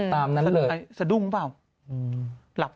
ตามนั้นเลยสะดุ้งเปล่า